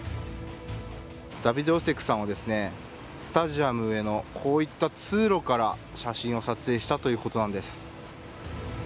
ヨセクさんはスタジアムへのこういった通路から写真を撮影したということなんです。